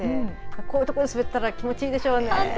こういうところで滑ったら気持ちいいでしょうね。